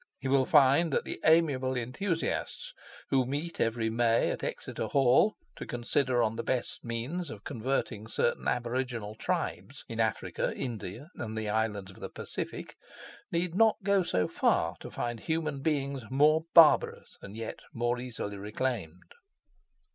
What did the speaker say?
He will find that the amiable enthusiasts who meet every May at Exeter Hall to consider on the best means of converting certain aboriginal tribes in Africa, India, and the Islands of the Pacific, need not go so far to find human beings more barbarous and yet much more easily reclaimed.